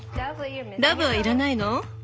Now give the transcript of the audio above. ダブは要らないの？